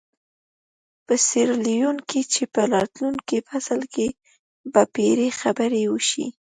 په سیریلیون کې چې په راتلونکي فصل کې به پرې خبرې وشي.